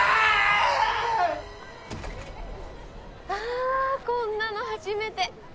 あこんなの初めて。